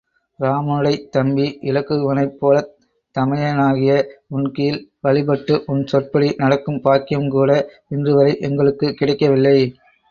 இராமனுடை தம்பி இலக்குவணனைப் போலத் தமையனாகிய உன்கீழ் வழிபட்டு உன் சொற்படி நடக்கும் பாக்கியம்கூட இன்றுவரை எங்களுக்குக் கிடைக்கவில்லை.